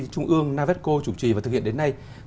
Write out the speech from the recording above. trung ương navetco chủ trì và thực hiện đến nay